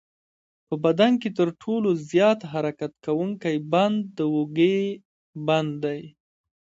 په بدن کې تر ټولو زیات حرکت کوونکی بند د اوږې بند دی.